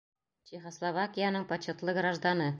Чехословакияның почетлы гражданы.